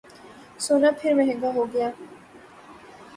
سونا پھر مہنگا ہوگیا